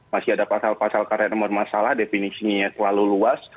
masih ada pasal pasal karet yang bermasalah definisinya terlalu luas